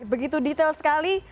begitu detail sekali